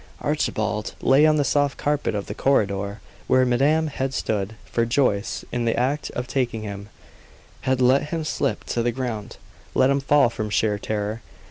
Archibald lay on the soft carpet of the corridor, where madame had stood; for Joyce, in the act of taking him, had let him slip to the ground let him fall from sheer terror.